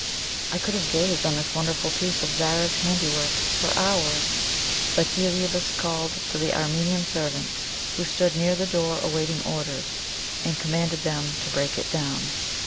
I could have gazed on this wonderful piece of Zara's handiwork for hours, but Heliobas called to the Armenian servants, who stood near the door awaiting orders, and commanded them to break it down.